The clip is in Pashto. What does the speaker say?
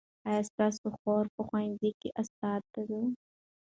ایا ستا خور په ښوونځي کې استاده ده؟